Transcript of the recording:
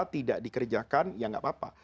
tidak dikerjakan ya nggak apa apa